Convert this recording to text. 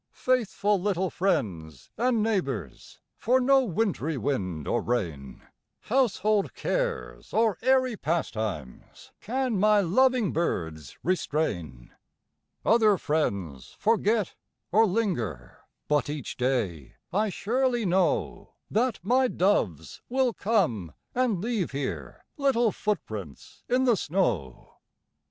Faithful little friends and neighbors, For no wintry wind or rain, Household cares or airy pastimes, Can my loving birds restrain. Other friends forget, or linger, But each day I surely know That my doves will come and leave here Little footprints in the snow.